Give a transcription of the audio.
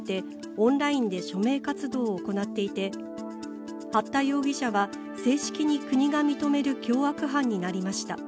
オンラインで署名活動を行っていて八田容疑者は正式に国が認める凶悪犯になりました。